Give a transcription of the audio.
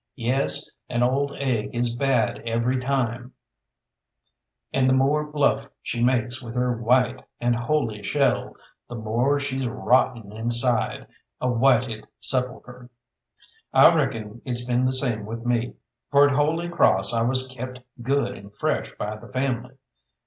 Yes, an old egg is bad every time, and the more bluff she makes with her white and holy shell, the more she's rotten inside, a whited sepulchre. I reckon it's been the same with me, for at Holy Cross I was kept good and fresh by the family.